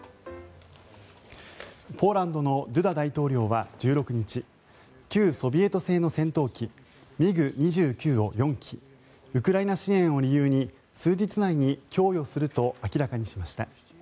ポーランドのドゥダ大統領は１６日旧ソビエト製の戦闘機ＭｉＧ２９を４機ウクライナ支援を理由に数日以内に供与すると明らかにしました。